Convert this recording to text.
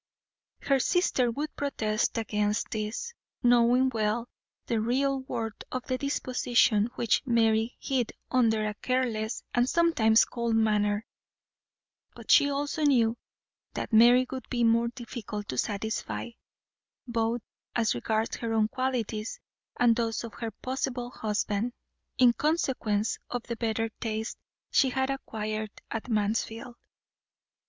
Her sister would protest against this, knowing well the real worth of the disposition which Mary hid under a careless and sometimes cold manner; but she also knew that Mary would be more difficult to satisfy, both as regards her own qualities and those of her possible husband, in consequence of the better taste she had acquired at Mansfield.